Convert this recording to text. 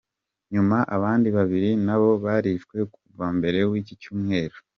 Nyuma abandi babiri nabo barishwe kuwa Mbere w’iki cyumweru.